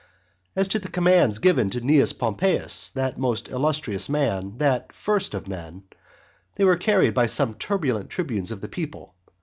As to the commands given to Cnaeus Pompeius, that most illustrious man, that first of men, they were carried by some turbulent tribunes of the people.